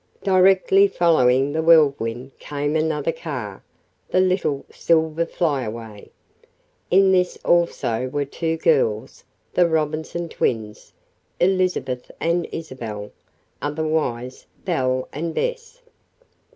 Directly following the Whirlwind came another car the little silver Flyaway. In this also were two girls, the Robinson twins, Elizabeth and Isabel, otherwise Belle and Bess.